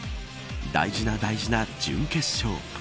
大事な大事な準決勝。